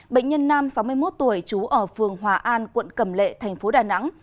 bệnh nhân nam sáu mươi một tuổi trú ở phường hòa an quận cầm lệ tp đà nẵng